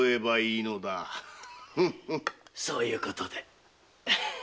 そういうことで。